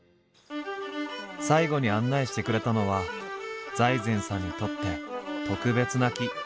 最後に案内してくれたのは財前さんにとって特別な木。